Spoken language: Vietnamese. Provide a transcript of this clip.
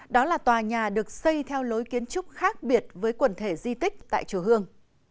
đó là tòa nhà được xây theo lối kiến trúc khác biệt với quần thể di tích tại chùa hương